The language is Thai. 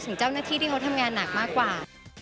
ถึงเจ้าหน้าที่ที่เขาทำงานหนักมากกว่า